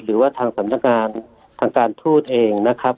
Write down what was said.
หรือว่าทางสำนักงานทางการทูตเองนะครับ